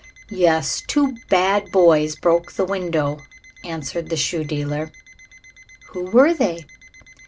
"Yes, two bad boys broke the window," answered the shoe dealer. "Who were they?"